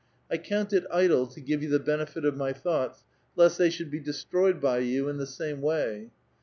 I count it idle to give you the benefit of my thoughts, lest they should be destroyed by you in the same way.